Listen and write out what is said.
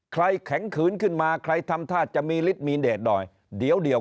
แข็งขืนขึ้นมาใครทำท่าจะมีฤทธิมีเดทหน่อยเดี๋ยวเดี๋ยว